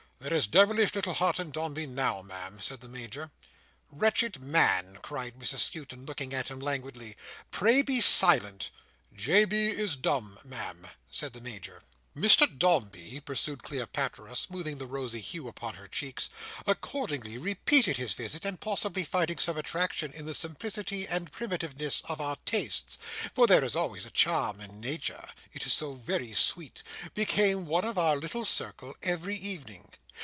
"There is devilish little heart in Dombey now, Ma'am," said the Major. "Wretched man!" cried Mrs Skewton, looking at him languidly, "pray be silent." "J. B. is dumb, Ma'am," said the Major. "Mr Dombey," pursued Cleopatra, smoothing the rosy hue upon her cheeks, "accordingly repeated his visit; and possibly finding some attraction in the simplicity and primitiveness of our tastes—for there is always a charm in nature—it is so very sweet—became one of our little circle every evening.